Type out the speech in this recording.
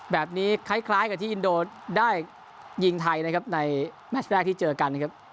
แบบนี้คล้ายกับที่อินโดได้ยิงไทยนะครับในแมชแรกที่เจอกันนะครับ